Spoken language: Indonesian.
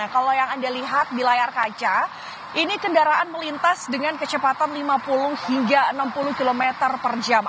kalau yang anda lihat di layar kaca ini kendaraan melintas dengan kecepatan lima puluh hingga enam puluh km per jam